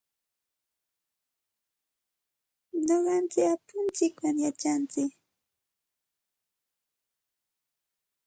Nuqanchik apuntsikwan yachantsik.